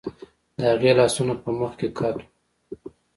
د هغې لاسونه په مخ کې قات وو